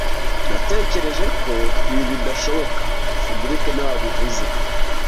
Natekereje ko ibi bidashoboka cedric niwe wabivuze